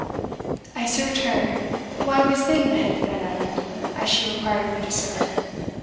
"I served her, wha was then the head of Glenallan, as she required me to serve her.